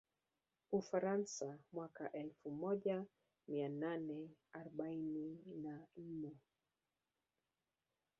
Ufaransa mwaka elfu moja mia nane arobaini na nne